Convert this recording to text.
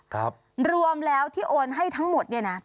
ครับรวมแล้วที่โอนให้ทั้งหมดเนี่ยนะ